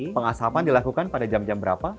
pengasapan dilakukan pada jam jam berapa